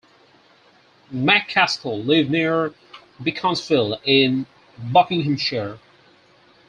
McCaskill lived near Beaconsfield in Buckinghamshire.